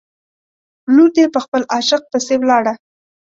لور دې په خپل عاشق پسې ولاړه.